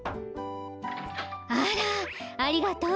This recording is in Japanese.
あらありがとう。